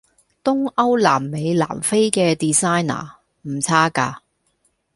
東歐南美南非既 designer 唔差架